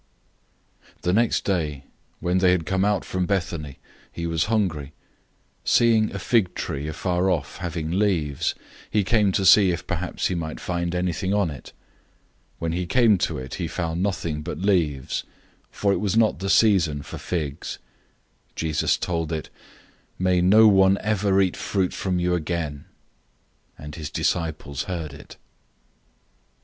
011:012 The next day, when they had come out from Bethany, he was hungry. 011:013 Seeing a fig tree afar off having leaves, he came to see if perhaps he might find anything on it. When he came to it, he found nothing but leaves, for it was not the season for figs. 011:014 Jesus told it, "May no one ever eat fruit from you again!" and his disciples heard it.